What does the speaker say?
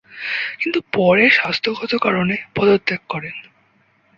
কিন্তু পরে স্বাস্থ্যগত কারণে পদত্যাগ করেন।